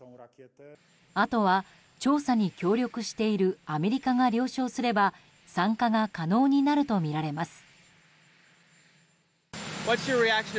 あとは、調査に協力しているアメリカが了承すれば参加が可能になるとみられます。